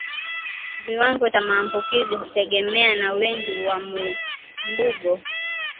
Kiwango cha maambukizi hutegemeana na wingi wa mbungo